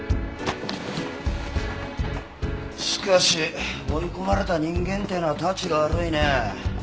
しかし追い込まれた人間ってのはたちが悪いねえ。